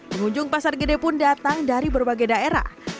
pengunjung pasar gede pun datang dari berbagai daerah